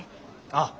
ああ。